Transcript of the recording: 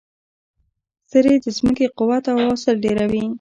سرې د ځمکې قوت او حاصل ډیروي.